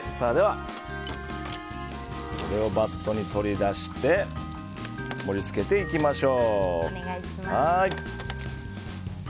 これをバットに取り出して盛り付けていきましょう。